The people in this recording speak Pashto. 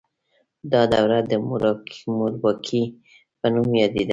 دا دوره د مورواکۍ په نوم یادیده.